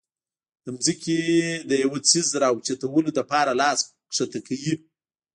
د زمکې نه د يو څيز را اوچتولو د پاره لاس ښکته کوي